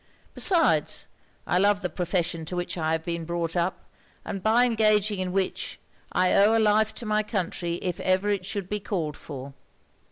Besides, I love the profession to which I have been brought up, and, by engaging in which, I owe a life to my country if ever it should be called for.'